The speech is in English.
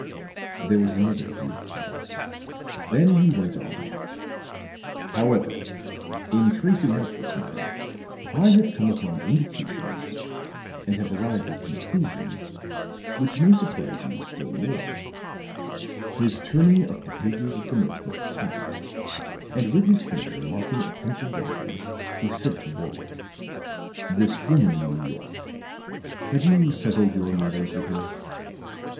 There was another brief pause; then he went on: "However, in tracing out this matter, I have come upon indications and have arrived at conclusions which may surprise you still more." His turning of the pages of the note book stopped, and with his finger marking a penciled entry, he said to Warwick: "This woman in New York have you settled your matters with her?"